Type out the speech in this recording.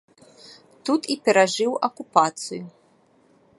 Тут і перажыў акупацыю.